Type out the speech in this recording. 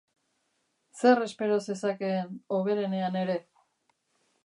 Zer espero zezakeen, hoberenean ere?